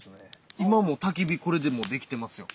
今もたき火これでもうできてますよ。